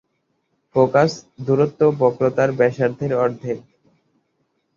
Focus দূরত্ব বক্রতার ব্যাসার্ধের অর্ধেক।